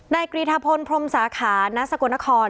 ไนกลีทพลพรมสาขานักสกุณฑร